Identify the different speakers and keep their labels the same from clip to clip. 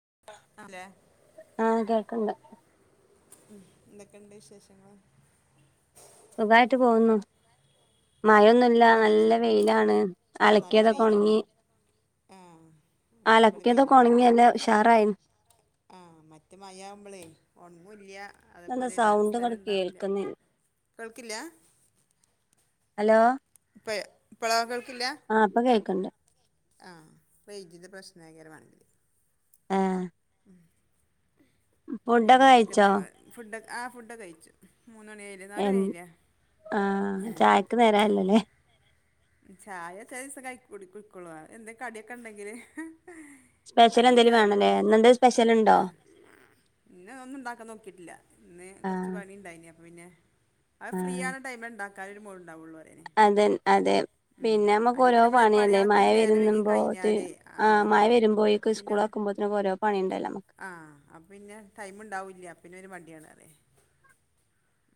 Speaker 1: [unintelligible]
Speaker 2: ആ കേൾക്ക്ണ്ട്
Speaker 1: എന്തക്കെയുണ്ട് വിശേഷങ്ങള്
Speaker 2: സുഖായിട്ട് പോവുന്നു
Speaker 1: ആ
Speaker 2: മഴൊന്നുല്ല
Speaker 1: ഫുഡൊക്കെ
Speaker 2: നല്ല
Speaker 1: കഴിച്ചില്ല
Speaker 2: വെയിലാണ്
Speaker 1: ആ നല്ല
Speaker 2: അലക്കിയതൊക്കെ
Speaker 1: വെയിലാണ്
Speaker 2: ഒണങ്ങി
Speaker 1: ആ ഇന്ന് ഇവിടെ
Speaker 2: അലക്കിയതൊക്കെ
Speaker 1: വെയിലാണ്
Speaker 2: ഉണങ്ങിയല്ല ഉഷാറായിന്
Speaker 1: ആ മറ്റേ മയവുമ്പളേ
Speaker 2: ഇതെന്താ സൗണ്ട്
Speaker 1: [unintelligible]
Speaker 2: ഇങ്ങട് കേൾക്കുന്നില്ല
Speaker 1: ഇവൾക്കില്ല
Speaker 2: ഹലോ
Speaker 1: പ്പ [unintelligible]
Speaker 2: ആ ഇപ്പൊ കേക്കണ്ട്
Speaker 1: ആ വൈകിയത് പ്രശ്നായകരമാണ്
Speaker 2: ആ ഫുഡൊക്കെ
Speaker 1: പിന്നെ എന്തൊക്കെയുണ്ട്
Speaker 2: കഴിച്ചോ
Speaker 1: ഫുഡ ആ ഫുഡക്കെ കഴിച്ചു മൂന്ന് മണിയായില്ലേ നാല്
Speaker 2: എ
Speaker 1: മണിയായില്ലേ
Speaker 2: ആ ചായക്ക് നേരായല്ലല്ലേ
Speaker 1: ചായ ചെല ദിവസം ക കുടി കുടിക്കോള്ളൂ. അന്നെ എന്തെ കടിയൊക്കെ ഉണ്ടെങ്കില്
Speaker 2: സ്പെഷ്യൽ
Speaker 1: അല്ലെങ്കി
Speaker 2: എന്തേലും
Speaker 1: ചായ
Speaker 2: വേണലേ.. ഇന്നെന്തേ സ്പെഷ്യല്ണ്ടോ
Speaker 1: ഇന്ന ഒന്നും ഉണ്ടാക്കാൻ നോക്കിട്ടില്ല ഇന്ന് കൊറച്ച്
Speaker 2: ആഹ്
Speaker 1: പണിയുണ്ടായിനി അപ്പ പിന്നെ അത് ഫ്രീ
Speaker 2: ആഹ്
Speaker 1: ആണ് ടൈമെ ണ്ടാക്കാനൊരു മൂടുണ്ടാവുള്ളു
Speaker 2: അതെ അതെ പിന്നെ നമ്മക്ക്
Speaker 1: അല്ലെ
Speaker 2: ഓരോ
Speaker 1: പിന്നെ നമ്മളെ
Speaker 2: പണിയല്ലേ
Speaker 1: പണികളൊക്കെ
Speaker 2: മഴ
Speaker 1: നേരെ വൈകി
Speaker 2: വരുന്നുമ്പോ
Speaker 1: കഴിഞ്ഞാലേ
Speaker 2: ആ മഴ
Speaker 1: അതാണ്
Speaker 2: വരുമ്പോഴേക്കും
Speaker 1: പിന്നെ
Speaker 2: സ്കൂള്
Speaker 1: ഒന്ന്-
Speaker 2: തുറക്കുമ്പോ [unintelligible]
Speaker 1: ആ അപ്പ പിന്നെ ടൈമ് ഉണ്ടാവൂല്യ അപ്പ പിന്നൊരു വണ്ടിയാണ് അതെ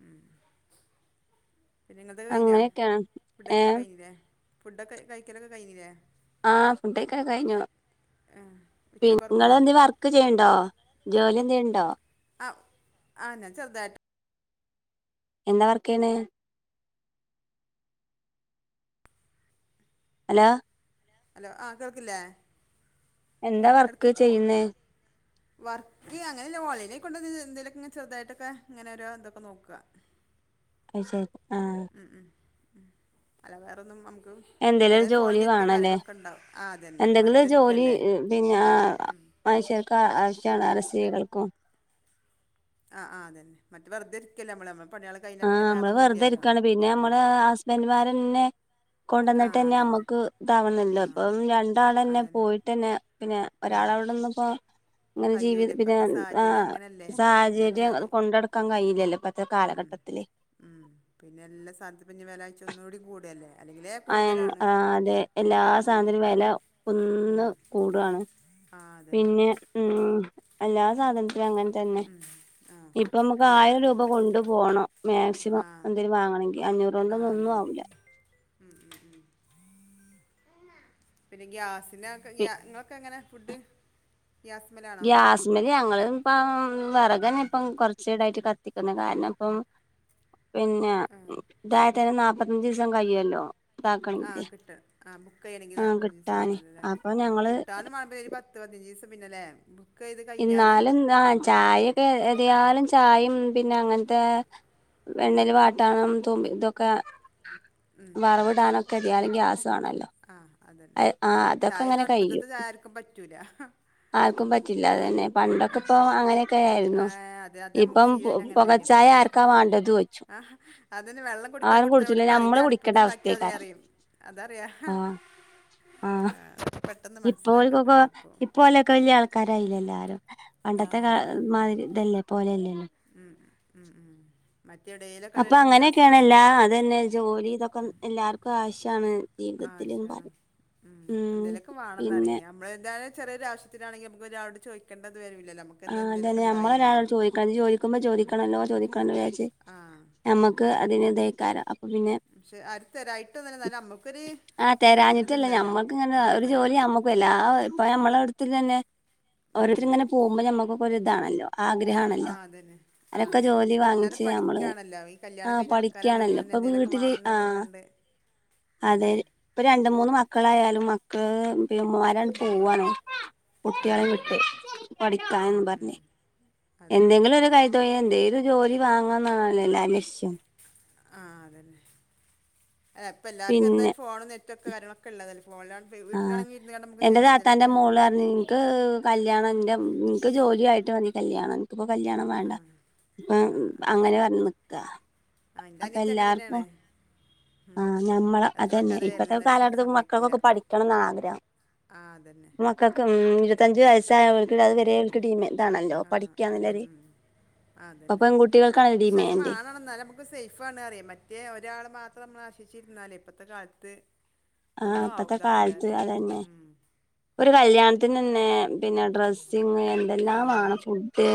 Speaker 1: ഉം പിന്നെ നിങ്ങൾതൊക്കെ കഴിഞ്ഞാ..
Speaker 2: അങ്ങനെയൊക്കെയാണ്
Speaker 1: ഫുഡ് കഴിക്കലൊക്കെ
Speaker 2: ഏഹ്
Speaker 1: കഴിഞ്ഞില്ലേ.. ഫുഡക്കെ കഴിക്കലൊക്കെ കഴിഞ്ഞിലേ
Speaker 2: ആ ഫുഡക്ക കഴിഞ്ഞു
Speaker 1: ആ
Speaker 2: പി നി
Speaker 1: ഉച്ചയ്ക്ക് ഉറങ്ങുമോ
Speaker 2: ങ്ങള് എന്ത് വർക്ക് ചെയ്യണ്ടോ ജോലി എന്ത്യെണ്ടോ
Speaker 1: ആ ആ ഞാൻ ചെറുതായിട്ട്
Speaker 2: എന്താ വർക്കേണ് അലോ
Speaker 1: ഹലോ ആ കേൾക്കില്ലേ
Speaker 2: എന്താ
Speaker 1: ഇടയ്ക്ക്
Speaker 2: വർക്ക്
Speaker 1: പോ
Speaker 2: ചെയ്യുന്നേ
Speaker 1: വർക്ക് അങ്ങനെല്ല ഓൺലൈനിൽ കൊണ്ട്‌ എന്തെലൊക്കെ ചെറുതായിട്ടൊക്കെ ഇങ്ങനെ ഓരോ എന്തൊക്കെ നോക്കുക [inaudible]
Speaker 2: അയ് ശേ
Speaker 1: ഉം ഉം ഉം അല്ലാതെ വേറൊന്നും അമ്മക്ക്
Speaker 2: എന്തേലും ഒരു
Speaker 1: ഏതായും ഫോൺ
Speaker 2: ജോലി
Speaker 1: നെറ്റും
Speaker 2: വേണല്ലേ
Speaker 1: കാര്യങ്ങളൊക്കെ ഉണ്ടാവും ആ അതു തന്നെ
Speaker 2: എന്തെങ്കിലും ഒരു
Speaker 1: വെറുതെ
Speaker 2: ജോലി
Speaker 1: ഇരിക്കല്ലേ
Speaker 2: ഏ, പിന്നെ ആ, മനുഷ്യർക്ക് ആവശ്യാണ് അത് സ്ത്രീകൾക്കും
Speaker 1: ആ ആ അതന്നെ മറ്റേ വെറുതെരിക്കല്ലേ മ്മള് നമ്മ
Speaker 2: ആഹ നമ്മള് വെറുതെ ഇരിക്കാണ് പിന്നെ
Speaker 1: ഉം.
Speaker 2: നമ്മള് ഹസ്ബൻഡമാരന്നെ
Speaker 1: ആ
Speaker 2: കൊണ്ടുന്നിട്ട്ന്നെ
Speaker 1: അതന്നെ
Speaker 2: നമ്മുക്ക് ഇതാവണല്ല,
Speaker 1: ആ
Speaker 2: ഇപ്പം രണ്ടാളന്നെ
Speaker 1: അതന്നെ
Speaker 2: പോയിട്ട്ന്നെ പിന്നെ
Speaker 1: ഉം.
Speaker 2: ഒരാളവിടെന്ന്പ്പോ
Speaker 1: [inaudible]
Speaker 2: അങ്ങനെ ജീവിത പിന്ന
Speaker 1: ഇപ്പോഴത്തെ
Speaker 2: ആ
Speaker 1: സാഹചര്യം അങ്ങനല്ലേ എന്താ
Speaker 2: സാഹചര്യം അത്
Speaker 1: വെച്ചാൽ
Speaker 2: കൊണ്ടെടുക്കാൻ കഴിയില്ലല്ലോ ഇപ്പത്തെ
Speaker 1: ഉം
Speaker 2: കാലഘട്ടത്തിൽ
Speaker 1: ഉം പിന്നെ എല്ലാ സാധത്ത് പിന്നെ വ്യലാഴ്ച ഒന്നു കൂടി കൂടല്ലേ അല്ലെങ്കിലേ
Speaker 2: ആ
Speaker 1: കൂടുതലാണ്
Speaker 2: ആ അതെ എല്ലാ
Speaker 1: പിന്നെ
Speaker 2: സാ
Speaker 1: ഒന്നുകൂടി
Speaker 2: ധനത്തിയും വില ഒന്ന്
Speaker 1: ഉം
Speaker 2: കൂടാണ്
Speaker 1: ആ അതന്നെ
Speaker 2: പിന്നെ ഉം എല്ലാ സാധനത്തിനും അങ്ങനെ തന്നെ
Speaker 1: ആ
Speaker 2: ഇപ്പൊമുക്ക്
Speaker 1: ഗ്യാ
Speaker 2: ആയിരം രൂപ കൊണ്ട് പോണം മാക്സിമം
Speaker 1: ആ
Speaker 2: എന്തെങ്കലും വാങ്ങണെങ്കിൽ അഞ്ഞൂറോണ്ടൊന്നും ഒന്നും ആ ആവൂല
Speaker 1: മ് മ് പിന്നെ ഗ്യാസിന്റാക്കെ
Speaker 2: പി
Speaker 1: ഗ്യാ ഇങ്ങളോക്കെ എങ്ങനെ ഫുഡ് ഗ്യാസ്മലാണോ
Speaker 2: ഗ്യാസ്മില് ഞങ്ങള് ഇപ്പോ വെറകനപ്പം കൊറച്ചിടായിട്ട് കത്തിക്കുന്നു കാരണപ്പം പിന്നെ ഇതായത്തന്ന നാല്പത്തഞ്ച് ദിവസം കഴിയല്ലോ ഇതാക്കണെങ്കില്
Speaker 1: ആഹ് കിട്ട ആ ബുക്കെയ്യണെങ്കിൽ
Speaker 2: ആഹ്
Speaker 1: നല്പ്പത്തഞ്ചിസം
Speaker 2: കിട്ടാന്
Speaker 1: ആവണല്ലല്ലേ
Speaker 2: അപ്പൊ ഞങ്ങള്
Speaker 1: കിട്ടാനും മാണ്ടേ ഒരു പത്ത് പതിനഞ്ച് ദിവസം പിന്നെല്ലേ
Speaker 2: ഇന്നാലെന്താ ആ ചായൊക്കെ ഏത്യാലും ചായ പിന്നെ അങ്ങനത്തെ എണ്ണല് വാട്ടാനും തുബി ഇതൊക്കെ വറവിടാനൊക്കെ [unintelligible] ഗ്യാസാ ണല്ലോ
Speaker 1: ആ
Speaker 2: ആ
Speaker 1: അതന്നെ
Speaker 2: ആഹ്‌ അതൊക്കെ
Speaker 1: ചായ
Speaker 2: അങ്ങനെ
Speaker 1: ഒന്നും
Speaker 2: കയും
Speaker 1: അടുപ്പത്തത്തെ ചായ ആർക്കും പറ്റൂല
Speaker 2: ആർക്കും പറ്റില്ല അതന്നെ പണ്ടൊക്കെ ഇപ്പ
Speaker 1: ഏഹ്
Speaker 2: അങ്ങനെയൊക്കെ ആയിരുന്നു
Speaker 1: ആഹ് അതെ അത് നമുക്ക്
Speaker 2: ഇപ്പം
Speaker 1: ശീലായില്ല
Speaker 2: പുകച്ചായ ആർക്കാ വേണ്ടത് ചോയ്ച്ചും
Speaker 1: ആ അതന് വെള്ളം കുടിക്കാൻ കൊടുതാപ്പാടെ പറയും
Speaker 2: നമ്മള് കുടിക്കേണ്ട
Speaker 1: ഇതിഅടുപ്പത്തിണ്ടാക്കി
Speaker 2: അവസ്ഥക്കാരം
Speaker 1: അറിയും അതറിയാ [inaudible]
Speaker 2: ആഹ
Speaker 1: ആ അതൊക്കെ പെട്ടെന്ന് മനസ്സിലാക്കാൻ
Speaker 2: ഇപ്പോൽകൊക്കെ
Speaker 1: പറ്റും ഇപ്പൊ
Speaker 2: ഇപ്പോലൊക്കെ വലിയ ആൾക്കാരായില്ലല്ലേ [unintelligible]
Speaker 1: ആഹ്
Speaker 2: പണ്ടത്തെ കാ മാതിരി ഇതല്ലേ പോലെല്ലേ
Speaker 1: മ് മ്മ് മാ
Speaker 2: അപ്പൊ അങ്ങനെയൊക്കെയാണല്ല അത് തന്നെ ജോലി ഇതൊക്കെ എല്ലാർക്കും ആവശ്യാണ്
Speaker 1: ആശ ഉം എന്തേലൊക്കെ
Speaker 2: പിന്നെ
Speaker 1: വേണംന്നറിയും നമ്മള് ഞൻ ചെറിയോരാവശ്യത്തിനാണെങ്കിൽ ഇപ്പോരാള്ളോട് ചോദിക്കണ്ട
Speaker 2: ആഹ് അതന്നെ നമ്മലൊരാളോട് ചോദിക്കണം ചോദിക്കുമ്പോ ചോദിക്കണല്ലോ ചോദിക്കണല്ലോ വിച്ചാരിച്ച്
Speaker 1: ആഹ് ഉം
Speaker 2: നമ്മുക്ക് അതിനതെക്കാലം അപ്പൊ പിന്നെ
Speaker 1: പക്ഷെ ആരും തരായിട്ടൊന്നല്ല നമുക്കൊരി
Speaker 2: ആ തെരാഞ്ഞിട്ടല്ലേ മ്മക്ക് ഇങ്ങനെ ഒരു ജോലി നമ്മക്കല്ല ആ ഇപ്പ നമ്മള ത്തിലനെ
Speaker 1: ഉം.
Speaker 2: ഓരോരുത്തരിഇങ്ങനെ പോക്പോഞമ്മാകൊക്കൊരിതാണല്ലോ
Speaker 1: ആ അതന്നെ ആ അതന്നെ
Speaker 2: ജോലി
Speaker 1: ഇപ്പൊ എല്ലാരും
Speaker 2: വാങ്ങിച്ച് നമ്മള്
Speaker 1: പഠിക്കാണലോ ഈ കല്യാണം
Speaker 2: ആഹ്
Speaker 1: കഴിഞ്ഞ ആൾക്കാരാണെങ്കിലും
Speaker 2: പഠിക്കാണല്ലോ
Speaker 1: തന്നെ
Speaker 2: ഇപ്പൊ
Speaker 1: എന്തെങ്കലൊക്കെ
Speaker 2: വീട്ടില്
Speaker 1: വേണംന്ന്
Speaker 2: ആഹ്
Speaker 1: പറഞ്ക്കാണ്ട്
Speaker 2: അതെ ഇപ്പൊ രണ്ട്‌ മൂന്ന് മക്കളായാലും മ [unintelligible] ഉമ്മമാരണ്ട്
Speaker 1: ഏ
Speaker 2: പോവാണ്
Speaker 1: ആ
Speaker 2: കുട്ടികളെവിട്ട്
Speaker 1: അതന്നെ
Speaker 2: പഠിക്കാന്ന്
Speaker 1: ഉം, ഉം.
Speaker 2: പറഞ്ഞ്
Speaker 1: അതന്നെ
Speaker 2: എന്തെങ്കിലും ഒരു കൈതൊഴിൽ എന്തെ ഒരു ജോലി വാങ്ങാന്നാണല്ലോ എല്ലാ ലക്ഷ്യം
Speaker 1: ആഹ അതല്ലെ അപ്പൊ എല്ലാർക്കും
Speaker 2: പിന്നെ
Speaker 1: എന്തായാലും ഫോണ നെറ്റ് ഒക്കെ കാര്യണളൊക്കെ ഉള്ളത
Speaker 2: ആഹ എന്റെ താത്താന്റെ
Speaker 1: എന്തെങ്കിലുമൊക്കെ
Speaker 2: മോള്റഞ്ഞു ഇനിക്ക് കല്യാണന്റെ ന്ക്ക് ജോലിയായിട്ട് മതി കല്യാണം ന്ക്ക് ഇപ്പൊ കല്യാണം
Speaker 1: ആ
Speaker 2: വേണ്ട ഇപ്പൊ അങ്ങനെ പറഞ് നിക്ക
Speaker 1: ആഹ് ന്റെ അനിയത്തിയൊക്കെ അങ്ങനന്നെയാണ്
Speaker 2: ആ ഞമ്മളെ അതന്നെ ഇപ്പത്തെ
Speaker 1: വരലുണ്ട് പക്ഷെ
Speaker 2: കാലകട്ടത്ത്
Speaker 1: സമ്മതിക്കൂല
Speaker 2: മക്കൾക്കൊക്കെ പഠിക്കണന്ന ആഗ്രഹം
Speaker 1: ആ അതന്നെ
Speaker 2: മക്കൾക്ക് മ് ഇരുപത്തഞ്ച് വയസായവൾക്ക് അത് വരെ അവൾക്ക് ടീമ നല്ലോ
Speaker 1: ആഹ് ഉം
Speaker 2: പഠിക്കാല്ലര്
Speaker 1: ഉം അതന്നെ പക്ഷെ അങ്ങനെ വാണം ന്നാല നമക്ക് സേഫാന്നറിയാം മറ്റേ ഒരാള് മാത്രം നമ്മ്ള ക്ഷിച്ചിരുന്നാലേ ഇപ്പഴത്തെ കാലത്ത്
Speaker 2: ആഹ്
Speaker 1: ഒന്നും ആവും
Speaker 2: ഇപ്പത്തെ
Speaker 1: ഇതാവൂല
Speaker 2: കാലത്ത്
Speaker 1: അറിയേ
Speaker 2: അതന്നെ
Speaker 1: ഉം
Speaker 2: ഒരു കല്യാണത്തിന്നനെ പിന്നെ ഡ്രസ് പിന്നെ
Speaker 1: ഏഹ്
Speaker 2: എന്തെല്ലാമാണം ഫുഡ്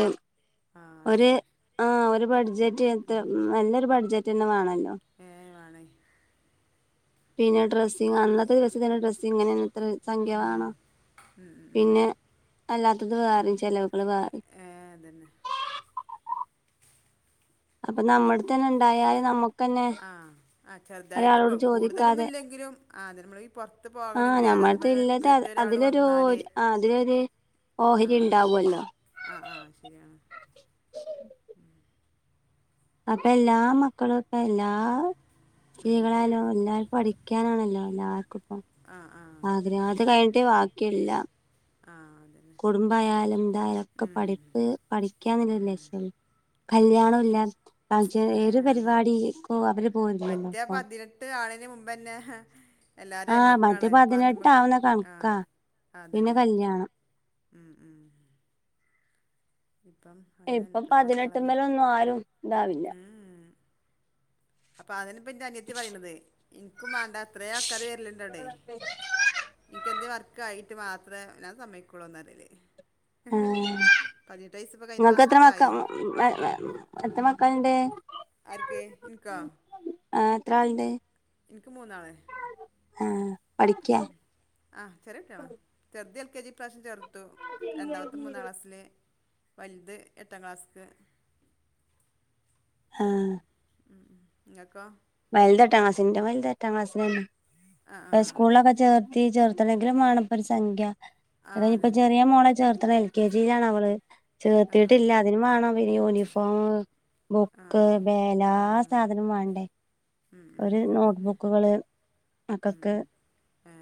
Speaker 1: ആഹ്
Speaker 2: ഒരു
Speaker 1: അതന്നെ
Speaker 2: ആഹ് ഒരു ബഡ്ജറ്റ് നല്ലൊരു ബഡ്ജറ്റന്നെ വേണല്ലോ
Speaker 1: ഏഹ് വാണം
Speaker 2: പിന്നെ ഡ്രസ്സിങ് അന്നത്തെ ദിവസം തന്നെ ഡ്രസ്സിങ്ങനനെ അത്ര
Speaker 1: ഉം
Speaker 2: സംഖ്യവേണം
Speaker 1: ഉം ഉം ഉം
Speaker 2: പിന്നെ അല്ലാത്തത് വേറെചെലവ്
Speaker 1: ഏഹ് അതന്നെ
Speaker 2: [unintelligible] അപ്പ നമ്മട്തന്നെ ഇണ്ടായാല് നമ്മക്ക്
Speaker 1: ആഹ് ആഹ് ചെറുതായിട്ട് പ്പൊ കൂടുതലൊന്നും
Speaker 2: ചോദിക്കാതെ
Speaker 1: ഇല്ലെങ്കിലും ആഹ് നമ്മള് പുറത്ത് പോകണങ്കില്
Speaker 2: നമ്മത്തെല്ലട്ത് അതിലൊരു ആഹ് അതിലൊര്
Speaker 1: ആഹ് ആഹ് ആഹ് ശരിയാണ്
Speaker 2: അപ്പെ എല്ലാ മക്കളും പ്പ എല്ലാ സ്ത്രീകളായാലോ എല്ലാർക്കും പഠിക്കാനാണല്ലോ എല്ലാക്കും പ്പൊ
Speaker 1: ആഹ് ആഹ്
Speaker 2: ആഗ്രഹങ്ങളൊക്കെ
Speaker 1: അതന്നെ
Speaker 2: കഴിഞ്ഞിട്ടേ വാക്കിയെല്ലാ
Speaker 1: ആഹ് അതന്നെ
Speaker 2: കുടുംബയാലും എന്തായാലൊക്കെ
Speaker 1: ഉം
Speaker 2: പഠിപ്പ് പഠിക്കാനില്ലെ ലശ്യേ
Speaker 1: അതന്നെ
Speaker 2: കല്യാണോല്ല ഫങ്ഷൻ
Speaker 1: ഏ
Speaker 2: ഏത്
Speaker 1: അന്ന്
Speaker 2: പരിപാടിക്കോ അവര് പോരില്ലല്ലോ
Speaker 1: മറ്റേ
Speaker 2: ഇപ്പം
Speaker 1: പതിനെട്ട് ആണീന്റെ മുമ്പ്ന്നെ
Speaker 2: ആഹ് മറ്റേ പതിനെട്ട് ആവ്ണെ
Speaker 1: ആ
Speaker 2: കണ്ക്കാ പിന്നെ കല്യാണം
Speaker 1: മ്മ് മ്മ്
Speaker 2: ഇപ്പൊ
Speaker 1: ഇപ്പത്തെ
Speaker 2: പതിനെട്ട്
Speaker 1: മക്കളൊന്നും
Speaker 2: മ്മലൊന്നും ആരും ഇതാവില്ല
Speaker 1: ഉം അപ്പൊ അതെന്ന്പ്പൊ ന്റെ അനിയത്തി പറീനത് വേണ്ട അത്ര ആൾക്കാർ വെര്ല്ല്ണ്ടവടെ ഇക്ക് എന്തെ വർക്കായി മാത്രമേ ഞാൻ സമ്മയിക്കൊള്ളൂന്ന് പറല്
Speaker 2: ഇങ്ങക്ക് എത്ര മക്കൾ മെ എത്ര മക്കള്ണ്ട്
Speaker 1: ആർക്ക്‌ ഇൻക്കോ
Speaker 2: ആഹ് എത്ര ആള്ണ്ട്
Speaker 1: ഇന്ക്ക് മൂന്നാള്
Speaker 2: ആഹ് പഠിക്കാ
Speaker 1: ഉം ആഹ് ചെറികുട്ട്യാള ചെർത് പ എൽ കെ ജി ഇപ്രാവശ്യം ചേർ രണ്ടാമത്തെ മൂന്നാം ക്ലാസ്സില് വലുത് എട്ടാം ക്ലാസ്ക്
Speaker 2: ആഹ്
Speaker 1: ഇങ്ങൊക്കൊ
Speaker 2: വലുതെട്ടാക്ലാസില് ഇന്റെ വല്ത് എട്ടാം ക്ലാസ്സിലെന്നെ
Speaker 1: ആ ആ ആ
Speaker 2: സ്കൂളിലൊക്കെ
Speaker 1: ശരി
Speaker 2: ചേർത്തി ചെർ ചേർത്തണെങ്കിലും വാണം ഇപ്പൊ ഒരു സംഖ്യ
Speaker 1: ആ
Speaker 2: അദ് ഇപ്പൊ
Speaker 1: അതന്നെ
Speaker 2: ചെറിയ മോളെ ചേർത്ത്ണ എൽ കെ ജിയിലാണ് അവള്
Speaker 1: ആ
Speaker 2: ചേർത്തിട്ടില്ല അതിന് വേണം ഈ യൂണിഫോം
Speaker 1: ആ ആ
Speaker 2: ബുക്ക് പേന ആ സാധനം വേണ്ടേ
Speaker 1: ഉം, ഉം,
Speaker 2: ഒരു
Speaker 1: അതന്നെ
Speaker 2: നോട്ട്ബുക്കുകള്
Speaker 1: ഉം.
Speaker 2: മക്കക്ക്
Speaker 1: ഏ,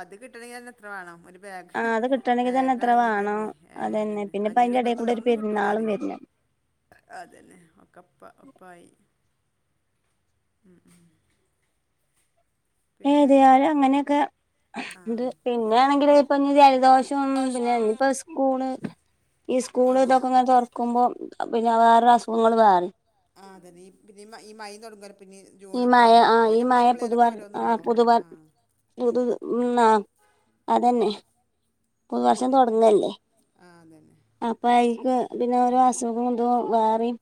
Speaker 1: അത് കിട്ടണെങ്കി തന്നെ എത്ര വാണം
Speaker 2: ആ
Speaker 1: ബാഗ്
Speaker 2: അത് കിട്ടണെങ്കിൽ തന്നെ എത്ര
Speaker 1: ബാഗാണെങ്കിൽ
Speaker 2: വേണം
Speaker 1: തന്നെ ഏ
Speaker 2: അതന്നെ
Speaker 1: തന്നെ
Speaker 2: പിന്നെ ഇപ്പ അതിന്റെ ഇടയിൽ കൂടെ
Speaker 1: അഞ്ഞൂറൊപ്യക്കൊന്നും
Speaker 2: ഒരു
Speaker 1: ഒന്നും
Speaker 2: പെരുന്നാളും
Speaker 1: കിട്ടൂലറിം
Speaker 2: വരുന്നു
Speaker 1: അതന്നെ ഒക്കപ്പ ഒപ്പായി [inaudible] പിന്നെ
Speaker 2: ഏതായാലും അങ്ങനെയൊക്കെ
Speaker 1: ആ
Speaker 2: ഇത് പിന്നെയാണെങ്കില് ഇപ്പൊ ഞ് ജല്ദോഷം പിന്നെ ഇപ്പോ സ്കൂള് ഈ സ്കൂള്
Speaker 1: ആ
Speaker 2: ഇതൊക്കെ ഇങ്ങനെ തുറക്കുമ്പോ പിന്നെ വേറൊ അസുഖങ്ങൾ വേറിം
Speaker 1: ആഹ് അതെന്നെ പിന്നെ ഈ മയീം മയീം തുടങ്ങോല്ലോ പിന്നെ
Speaker 2: ഈ
Speaker 1: ജൂണൊക്കെ
Speaker 2: മഴ
Speaker 1: ആവുമ്പോളേ
Speaker 2: ആ ഈ
Speaker 1: പിന്നെ എപ്പളെ
Speaker 2: മഴ
Speaker 1: എപ്പളേലൊക്കെ ഓരോന്നൊള്ളൂ ആ
Speaker 2: പുത്
Speaker 1: ആ
Speaker 2: ഉം ആഹ് അതന്നെ
Speaker 1: ഉം,
Speaker 2: പുതുവർഷം
Speaker 1: ആ സമയത്ത്
Speaker 2: തൊടങ്ങല്ലേ
Speaker 1: ആ അതന്നെ
Speaker 2: അപ്പ ഐക്ക് പിന്നെ ഓരോ അസുഗോത് വേറീം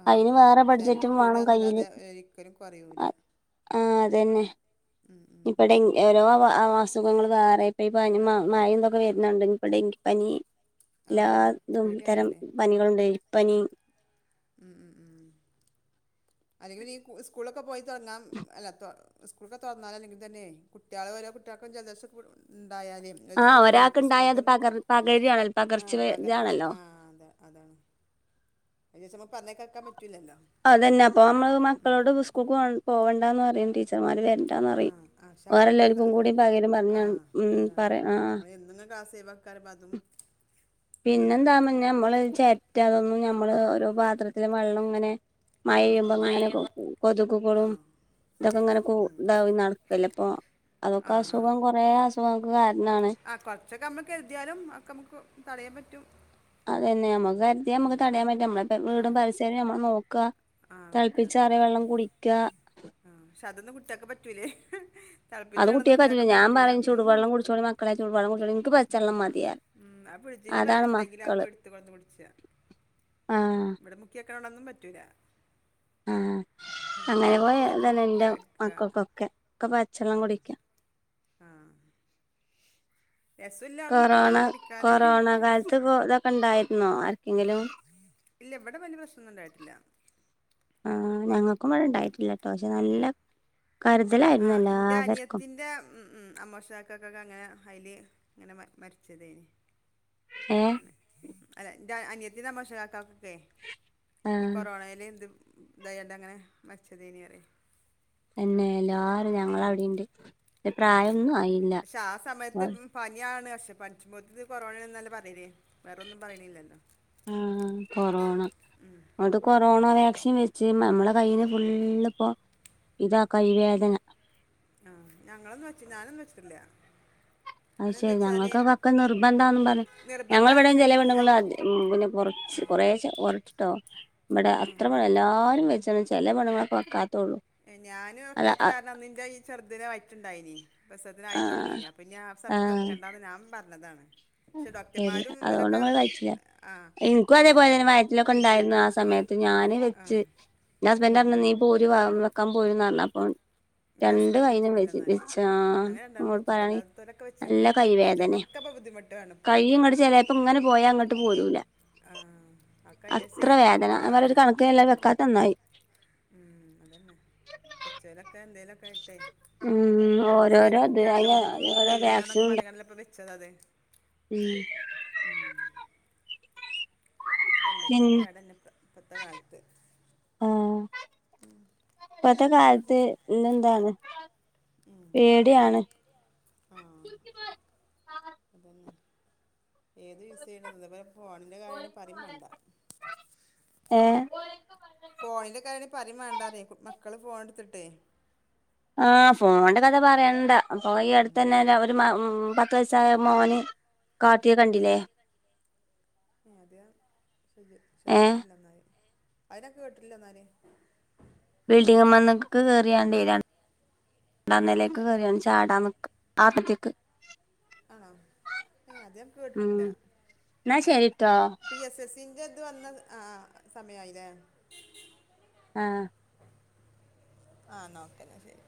Speaker 1: ആ
Speaker 2: അയിന് വേറെ
Speaker 1: ചിലവ്
Speaker 2: ബഡ്ജറ്റും വാണം കയ്യില്
Speaker 1: കൂടുകയെന്നല്ലാതെ ഒരിക്കലും കുറയൂല
Speaker 2: അഹ് ആഹ് അതന്നെ
Speaker 1: ഉം, ഉം, ഉം.
Speaker 2: ഇപ്പടെ ഓരോ അവ അസുഖങ്ങൾ വേറെ ഇപ്പ പനി മഴൊക്കെ വരുന്നോണ്ട് ഇനിപ്പോ ഡെങ്കിപ്പനി
Speaker 1: ആ
Speaker 2: എല്ലാതും
Speaker 1: പേടിയാണ്
Speaker 2: ഇതരം പനികളുണ്ട് എലിപ്പനി.
Speaker 1: മ്മ് മ്മ് മ്മ്. അല്ലെങ്കിലീ സ്കൂളൊക്കെ പോയി തൊറന്നാ അല്ല തൊ സ്കൂളൊക്കെ തൊറന്നാ അല്ലെങ്കിൽ തന്നെ കുട്ടിയാള് ഓരോ കുട്ടിയാക്ക്‌ ജലദോഷം കൂ ഉണ്ടായാൽ
Speaker 2: ആ
Speaker 1: സ്കൂൾ വരുല്ലോ
Speaker 2: ഒരാൾക്ക് ഉണ്ടായാൽ അത്
Speaker 1: ന്താണ്
Speaker 2: പകർ പകരുകയാണല്ലോ
Speaker 1: [unintelligible] ആ
Speaker 2: പകർച്ച വേ-
Speaker 1: പകർച്ച
Speaker 2: ഇതാണല്ലോ
Speaker 1: ആ അത അതാണ്. അിവസം ന പറഞ്ഞേ കേക്കാൻ പറ്റൂലല്ലോ.
Speaker 2: അതന്നെ അപ്പൊ നമ്മള് മക്കളോട് സ്കൂൾക്ക് പോ പോവണ്ടാന്ന് പറയും ടീച്ചർമാര് വരണ്ടാന്ന്
Speaker 1: ആ
Speaker 2: പറയും.
Speaker 1: ആ പക്ഷെ
Speaker 2: വേറെ
Speaker 1: നമ്മുക്ക്
Speaker 2: എല്ലാവർക്കും കൂടി പകരും പറഞ്ഞ
Speaker 1: ആ അതാണ്
Speaker 2: പറ ആ
Speaker 1: നമ്മള് എന്തങ്ങ ക്ലാസവക്കാര അതും. [inaudible]
Speaker 2: പിന്നെന്താ നമ്മള് ചെറ്റ അതൊന്നും നമ്മള് ഓരോ പാത്രത്തിലെ വെള്ളം ഇങ്ങനെ
Speaker 1: ഉം, ഉം.
Speaker 2: മഴയുമ്പം അങ്ങനെ കൊ
Speaker 1: മഴയുമ്പോ ആ
Speaker 2: കൊതുക്കുകളും ഇതൊക്കെ ഇങ്ങനെ ഇണ്ടാവനൾക്കല്ല അപ്പൊ
Speaker 1: ആ
Speaker 2: അതൊക്കെ
Speaker 1: ആ
Speaker 2: അസുഖം കൊറെേ അസുഖം.
Speaker 1: ആ കൊറച്ചൊക്കെ നമ്മക്ക് എഴുതിയാലും ഒക്കെ നമുക്ക് തടയാൻ പറ്റും.
Speaker 2: അതെ തന്നെ നമുക്ക് അദ്യം നമുക്ക് തടയാൻ പറ്റും നമ്മള വീടും പരിസ്യരം നമ്മ നോക്കുക.
Speaker 1: ആ വൃത്തിയാക്കുക
Speaker 2: തിളപ്പിച്ചാറി വെള്ളം കുടിക്ക.
Speaker 1: ആ പക്ഷെ അതൊന്നും കുട്ട്യേക്കെ പറ്റൂലേ. തിളപ്പിച്ച
Speaker 2: അത് കുട്ടിയെ
Speaker 1: വെള്ളമൊന്നും
Speaker 2: പറ്റല്ല
Speaker 1: കുട്ടിയൊക്കൊന്നും
Speaker 2: ഞൻ
Speaker 1: പറ്റൂല
Speaker 2: പറയും
Speaker 1: ഉം,
Speaker 2: ചടുെള്ളം കുടിച്ചോടി മക്കളെ ചടുെള്ളം കുടിച്ചോള എനിക്ക് പച്ചെള്ളം മതിയ.
Speaker 1: ഉം ആ ഫ്രി്ജില് ഉണ്ടെങ്കില ആ എടുത്ത കൊടുത്ത കുടിച്ച
Speaker 2: ആഹ.
Speaker 1: ണൊന്നും പറ്റൂല.
Speaker 2: ആഹ.
Speaker 1: ഉം,
Speaker 2: അങ്ങനെ
Speaker 1: അതിന്ന്
Speaker 2: പോയ
Speaker 1: പോയി
Speaker 2: ഇതന്നെ
Speaker 1: തുറക്കുക
Speaker 2: എന്റെ
Speaker 1: എടുക്കുക
Speaker 2: മക്കൾക്കൊക്കെ ഒക്കെ
Speaker 1: ആ
Speaker 2: പച്ചെള്ളം കുടിക്കാ.
Speaker 1: ആ രസമില്ലാണും
Speaker 2: കൊറോണ
Speaker 1: ചൂടുവെള്ളം
Speaker 2: കൊറോണ
Speaker 1: കുടിക്കാൻ
Speaker 2: കാലത്ത്പ്പോ ഇതൊക്കെ ഉണ്ടായിുന്നോ ആർക്കെങ്കിലും?
Speaker 1: ഇല്ല ഇവിടെ വലിയ പ്രശ്നംന്നും ഇണ്ടായിട്ടില്ല.
Speaker 2: ആഹ ഞങ്ങൾക്കും ഇടെ ഇണ്ടായിട്ടില്ലട്ടോ പക്ഷെ നല്ല
Speaker 1: ആ്
Speaker 2: കരുതലായിരുന്നു
Speaker 1: ഇന്റെ
Speaker 2: എല്ലാവർക്കും
Speaker 1: അനിയത്തിന്റെ ഉ അമോശാക്കക്കൊക്കെ അങ്ങനെ അയില് അങ്ങനെ മരിച്ചതേന്.
Speaker 2: ഏ?
Speaker 1: അല്ലാ അനിയത്തിടെ [unintelligible]
Speaker 2: ആ
Speaker 1: ഈ കൊറോണൽ ഇത് ദയണ്ട് അങ്ങനെ മരിച്ചത ഇനി പറ
Speaker 2: തന്നെയല്ലോ ആരും ഞങ്ങള അവിടണ്ട്
Speaker 1: ഉം.
Speaker 2: പ്രായംന്നും ആയില്ല.
Speaker 1: പക്ഷെ ആ സമയത്ത് പനിയാണ് പക്ഷെ പഞ്ചമുത്തിത് കൊറോണന്നല്ല പറയല്ലേ വേറൊന്നും പറയണില്ലല്ലോ.
Speaker 2: ആ കൊറോണ നട്ട് കൊറോണ
Speaker 1: ഉം.
Speaker 2: വാക്സിൻ വെച്ച് നമ്മള കയ്ന് ഫുള്ളി ഇപ്പോ ഇതാ കൈ വേദന
Speaker 1: ആഹ ഞങ്ങളൊന്ന് വെച്ച ഞാനൊന്നും വെച്ചിട്ടില്ല.
Speaker 2: അത്
Speaker 1: അതെന്താ
Speaker 2: ശരി
Speaker 1: വെച്ചാൽ
Speaker 2: ഞങ്ങൾക്ക് പൊക്കെ നിർബന്ധാ പറ ഞങ്ങൾ
Speaker 1: നിർബന്ധമാണ്
Speaker 2: ഇവിടെയും ചില
Speaker 1: ശനി
Speaker 2: പെണ്ണ്ങ്ങൾ പിന്നെറ കുറേ ഉരട്ടിട്ടോ ഇവിടെ
Speaker 1: ഉം,
Speaker 2: അത്ര പ എല്ലാരും വെച്ച ചെല പെണങ്ങളെക്കെ
Speaker 1: ഞാന് വെക്കാത്ത കാരണം അന്നന്റെ ഈ ചെറദ്നെ വയിറ്റട്ടുണ്ടായിനി. പ്രസത്തിനായി
Speaker 2: ആഹ്
Speaker 1: തുടങ്ങീന അപ്പൊ ഇനി ആ സമയത്ത്
Speaker 2: ആഹ്
Speaker 1: വെക്കേണ്ടന്ന് ഞാൻ പറഞ്ഞതാണ്. പക്ഷെ
Speaker 2: ശരി
Speaker 1: ഡോക്ടർമാരും ഇവലൊക്കെ
Speaker 2: അതുകൊണ്ട്മ്മെ കഴച്ചില്ല.
Speaker 1: ആ
Speaker 2: എനിക്കും അതേപോലെ
Speaker 1: അതന്നെ
Speaker 2: തന്നെ വയറ്റിലൊക്കെ ഉണ്ടായിരുന്നു ആ സമയത്ത് ഞൻ
Speaker 1: ആ
Speaker 2: വെച്ച്. എന്റെ ഹസ്ബൻന്റ് പറഞ്ഞ നീ പോര് വ വെക്കാൻ പോരന്ന് പറഞ്ഞ അപ്പൊ
Speaker 1: എൻ്റെ
Speaker 2: രണ്ട്
Speaker 1: ഹസ്ബൻഡ്
Speaker 2: കൈും
Speaker 1: വെച്ചിട്ടില്ല എന്നാല്
Speaker 2: വിച്ചു ആ
Speaker 1: അങ്ങനെ രണ്ടാളും
Speaker 2: ഇങ്ങോട്ട്
Speaker 1: വെച്ചിട്ടില്ല
Speaker 2: പറയായാണെങ്ക
Speaker 1: അതൊക്കെ
Speaker 2: നല്ല
Speaker 1: വെച്ചേക്കണ്
Speaker 2: കൈ വേദന
Speaker 1: വെച്ചവർക്കൊക്കെ ഇപ്പൊ ബുദ്ധിമുട്ടാണ് ഇപ്പോ
Speaker 2: കഴിയും ഇങ്ങട്ട് ചിലപ്പ ഇങ്ങനെ പോയാ അങ്ങോട്ട് പോരൂല.
Speaker 1: ആ ഒക്കെ അതിൻ്റെ
Speaker 2: അത്ര
Speaker 1: സൈഡ്
Speaker 2: വേദന ഞാൻ പറയ
Speaker 1: എഫക്റ്റുകളാണ്
Speaker 2: ഒരു കണക്ക
Speaker 1: ആ,
Speaker 2: എല്ലാവരും വെക്കാത്ത നന്നായി.
Speaker 1: ഉം അതന്നെ പച്ചലൊക്കെ എന്തേലും കേട്ട
Speaker 2: ഉം
Speaker 1: അല്
Speaker 2: ഓരോരോ
Speaker 1: സൈഡ്
Speaker 2: ഇത്
Speaker 1: എഫക്റ്റ് ആണല്ലോ
Speaker 2: അയിന്
Speaker 1: ഒന്നും
Speaker 2: ഓരോ റിയാക്ഷൻ
Speaker 1: വരൂലന്നൊക്കെ
Speaker 2: ഉണ്ട്
Speaker 1: പറയണല്ല. വെച്ച അതെ
Speaker 2: ഉം പിൻ
Speaker 1: എല്ലാത്തിനും പേടന്നെ പത്തെ കാലത്ത്
Speaker 2: ആ പത കത്തെ എ എന്താണ് പേടെയാണ്
Speaker 1: ആ അതന്നെ ഏത് യൂസ് ചെയ്യണ്ട ഇ ഫോണിന്റെ കാര്യമാണ് പറയും വേണ്ട
Speaker 2: ഏ
Speaker 1: ഫോണിന്റെ കാര്യണ പരി വേണ്ടാറ മക്കള് ഫോണ എടുത്തിട്ടേ
Speaker 2: ആ ഫോണിന്റെ കഥ പറയണ്ട അപ്പൊ ഈ അടുത്ത് തന്നെ ഒരു ഉം പത്ത് വയസായ മോന് കാട്ടിയെ
Speaker 1: ആ
Speaker 2: കണ്ടില്ലേ
Speaker 1: അത് ഞാൻ
Speaker 2: ഏ
Speaker 1: ശ്രദ്ധിച്ചിട്ടില്ല എന്നാല് അയ്നാകേട്ടില്ലന്നാല്
Speaker 2: ബിൽഡിംഗ് ന്ന്മ്മക്ക് ക്കെറിയാണ്ടിര ണ്ടാന്നിലെക്ക്
Speaker 1: ഏ
Speaker 2: കറിവന്ന് ചാടാന്ന് നിക്ക ആപ്പത്തേക്ക്
Speaker 1: ആണോ ഏ അത്ക്ക് ഞാൻ
Speaker 2: ഉം
Speaker 1: കേട്ടിട്ടില്ല
Speaker 2: എന്നാ ശരിട്ടോ
Speaker 1: പ്പീ എസ്സ്എസീൻ്റെ ഇത് വന്ന ആ സമയായില്ലേ
Speaker 2: ആ
Speaker 1: ആ നോക്കനാ ശരി